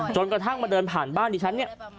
จนกระทั่งมาเดินผ่านบ้านดิฉันเนี่ย